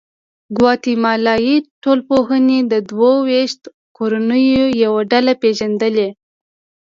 ګواتیمالایي ټولنپوهې د دوه ویشت کورنیو یوه ډله پېژندلې.